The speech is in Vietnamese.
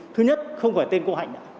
thứ nhất không phải tên cô hạnh